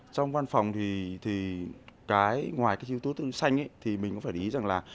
trong văn phòng thì ngoài cái yếu tố tư xanh thì mình cũng phải ý rằng là